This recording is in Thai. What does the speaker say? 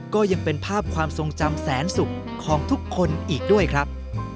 ก็ยังเป็นภาพความทรงจำแสนสุขของทุกคนอีกด้วยครับ